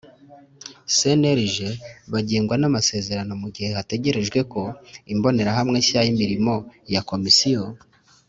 Cnlg bagengwa n amasezerano mu gihe hategerejwe ko imbonerahamwe nshya y imirimo ya komisiyo